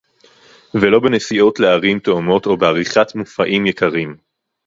ולא בנסיעות לערים תאומות או בעריכת מופעים יקרים